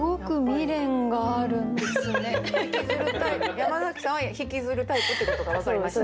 山崎さんは引きずるタイプってことが分かりましたね